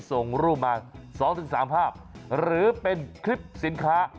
ส่งรูปมา๒๓ภาพหรือเป็นคลิปสินค้า